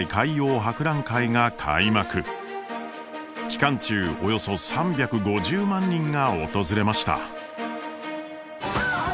期間中およそ３５０万人が訪れました。